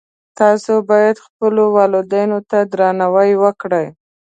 تاسو باید خپلو والدینو ته درناوی وکړئ